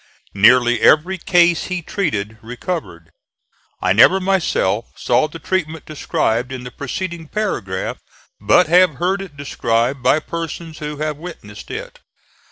Nearly every case he treated recovered. I never, myself, saw the treatment described in the preceding paragraph, but have heard it described by persons who have witnessed it.